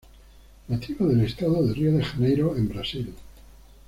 Nativa del Estado de Río de Janeiro en Brasil.